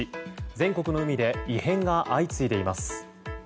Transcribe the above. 全国の海で異変が相次いでいます。